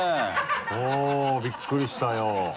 おっびっくりしたよ。